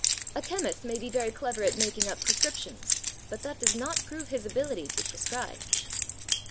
A chemist may be very clever at making up prescriptions, but that does not prove his ability to prescribe.